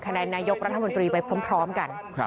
แนนนายกรัฐมนตรีไปพร้อมกัน